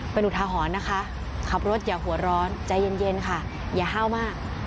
เป็นอุทาหรณ์นะคะขับรถอย่าหัวร้อนใจเย็นค่ะอย่าห้าวมาก